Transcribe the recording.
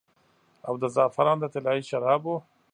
او د زعفران د طلايي شرابو